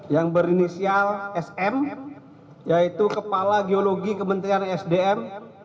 yang berinisial sm yaitu kepala geologi kementerian sdm